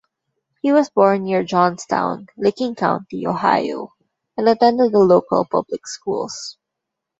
He was born near Johnstown, Licking County, Ohio, and attended the local public schools.